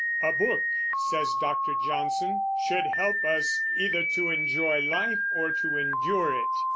"A book," says Dr. Johnson, "should help us either to enjoy life or to endure it."